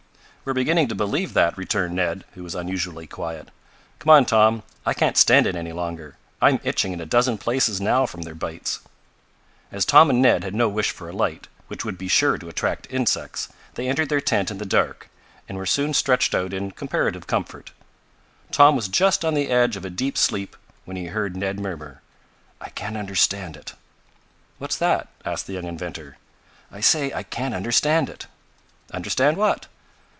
"We're beginning to believe that," returned Ned, who was unusually quiet. "Come on, Tom. I can't stand it any longer. I'm itching in a dozen places now from their bites." As Tom and Ned had no wish for a light, which would be sure to attract insects, they entered their tent in the dark, and were soon stretched out in comparative comfort. Tom was just on the edge of a deep sleep when he heard Ned murmur: "I can't understand it!" "What's that?" asked the young inventor. "I say I can't understand it." "Understand what?"